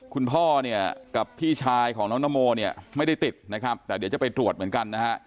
คุณพ่อเนี่ยกับพี่ชายของน้องนโมเนี่ยไม่ได้ติดนะครับแต่เดี๋ยวจะไปตรวจเหมือนกันนะฮะ